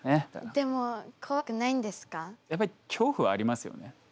でもやっぱり恐怖はありますよね。